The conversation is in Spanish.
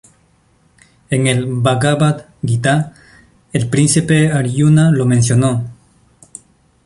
En el "Bhagavad-guitá", el príncipe Áryuna lo mencionó.